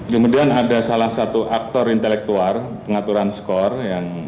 kemudian ada salah satu aktor intelektual pengaturan skor yang